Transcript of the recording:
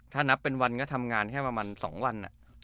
ถ้านับเป็นวันก็ทำงานแค่ประมาณ๒วัน